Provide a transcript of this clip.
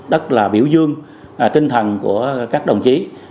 rất là biểu dương tinh thần của các đồng chí